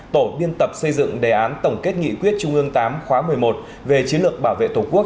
tổ biên tập xây dựng đề án tổng kết nghị quyết trung ương tám khóa một mươi một về chiến lược bảo vệ tổ quốc